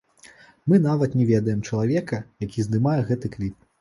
Мы нават не ведаем чалавека, які здымае гэты кліп.